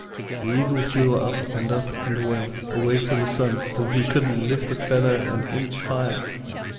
The Eagle flew up and up and away, away to the sun, till he couldn't lift a feather an inch higher.